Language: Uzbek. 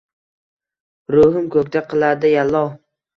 Ruhim koʼkda qiladi yallo